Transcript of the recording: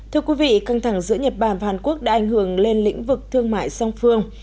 thưa quý vị căng thẳng giữa nhật bản và hàn quốc đã ảnh hưởng lên lĩnh vực thương mại song phương